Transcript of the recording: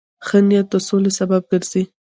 ښه نیت د سولې سبب ګرځي.